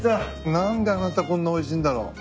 何であなたこんなおいしいんだろ？